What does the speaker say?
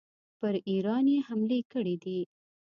پر ایران یې حملې کړي دي.